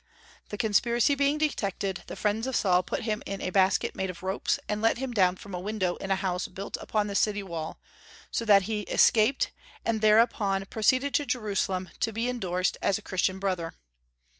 The conspiracy being detected, the friends of Saul put him into a basket made of ropes, and let him down from a window in a house built upon the city wall, so that he escaped, and thereupon proceeded to Jerusalem to be indorsed as a Christian brother.